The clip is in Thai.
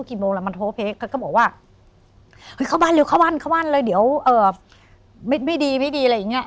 เขาก็บอกว่าเฮ้ยเข้าบ้านเลยเข้าบ้านเข้าบ้านเลยเดี๋ยวไม่ดีไม่ดีอะไรอย่างนี้